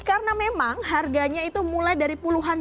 karena memang harganya itu mulai dari pencurian